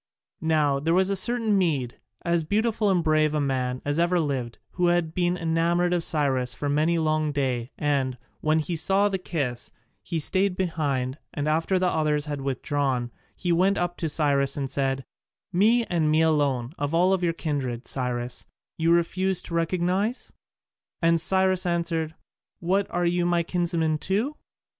Now there was a certain Mede, as beautiful and brave a man as ever lived, who had been enamoured of Cyrus for many a long day, and, when he saw the kiss, he stayed behind, and after the others had withdrawn he went up to Cyrus and said, "Me, and me alone, of all your kindred, Cyrus, you refuse to recognize?" And Cyrus answered, "What, are you my kinsman too?"